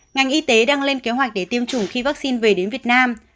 ngành y tế đang lên kế hoạch để tiêm chủng khi vaccine về đến việt nam